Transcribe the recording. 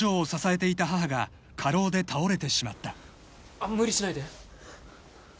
あっ無理しないで。